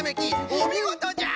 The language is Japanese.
おみごとじゃ！